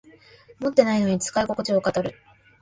持ってないのに使いここちを語る